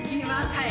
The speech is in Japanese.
はい。